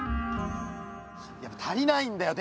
やっぱ足りないんだよ